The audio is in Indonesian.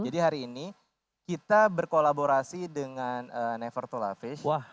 jadi hari ini kita berkolaborasi dengan never to laugh fish